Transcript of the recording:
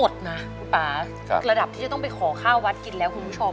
คุณป่าระดับที่จะต้องไปขอข้าววัดกินแล้วคุณผู้ชม